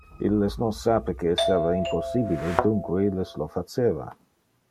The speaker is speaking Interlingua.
Illes non sape que esseva impossibile, dunque illes lo faceva.